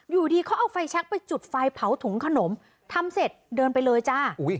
อยู่ดีเขาเอาไฟแชคไปจุดไฟเผาถุงขนมทำเสร็จเดินไปเลยจ้า